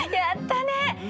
やったね！